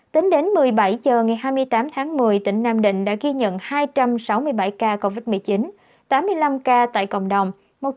tính đến một mươi bảy h ngày hai mươi tám tháng một mươi tỉnh nam định đã ghi nhận hai trăm sáu mươi bảy ca covid một mươi chín tám mươi năm ca tại cộng đồng